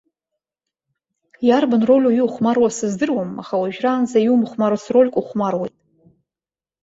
Иарбан рольу иухәмаруа сыздыруам, аха уажәраанӡа иумыхәмарыц рольк ухәмаруеит.